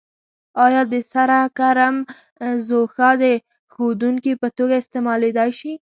آیا د سره کرم ځوښا د ښودونکي په توګه استعمالیدای شي؟